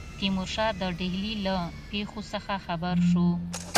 تیمورشاه د ډهلي له پیښو څخه خبر شو.